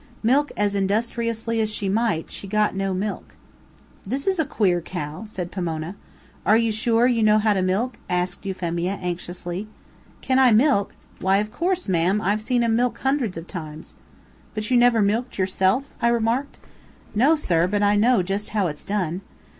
Milk as industriously as she might, she got no milk. "This is a queer cow," said Pomona. "Are you sure that you know how to milk?" asked Euphemia anxiously. "Can I milk?" said Pomona. "Why, of course, ma'am. I've seen 'em milk hundreds of times." "But you never milked, yourself?" I remarked. "No, sir, but I know just how it's done."